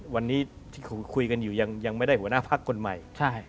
วันนี้ที่คุยกันอยู่ยังไม่ได้หัวหน้าพักคนใหม่